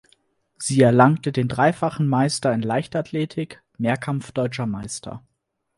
Sie erlangte den dreifachen Meister in Leichtathletik (Mehrkampf Deutscher Meister).